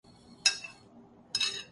تمہیں شرم نہیں آتی؟